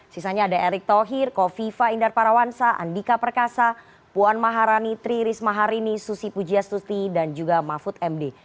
sisanya ada erick thohir kofifa indar parawansa andika perkasa puan maharani tri risma harini susi pujiastuti dan juga mahfud md